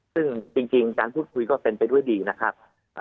ซึ่งจริงการพูดคุยก็เป็นไปด้วยดีนะครับ